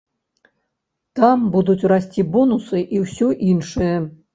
Там будуць расці бонусы і ўсё іншае.